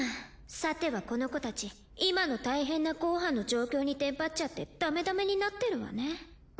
さてはこの子たち今の大変なゴーハの状況にテンパっちゃってダメダメになってるわね